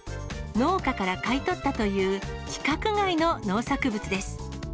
農家から買い取ったという規格外の農作物です。